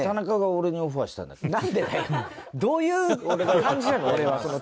どういう感じなの？